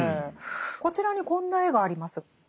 こちらにこんな絵があります。